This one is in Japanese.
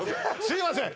すいません